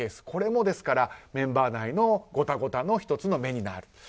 これもメンバー内のゴタゴタの１つの目になる。